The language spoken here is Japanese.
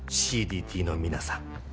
ＣＤＴの皆さん。